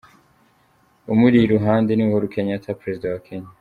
Umuri iruhande ni Uhuru Kenyatta, perezida wa Kenya.